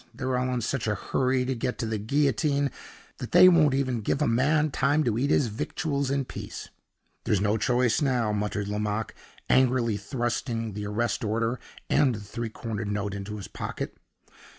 They're all in such a hurry to get to the guillotine that they won't even give a man time to eat his victuals in peace!" "There's no choice now," muttered Lomaque, angrily thrusting the arrest order and the three cornered note into his pocket.